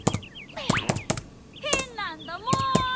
へんなんだもん！